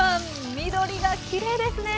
緑がきれいですね。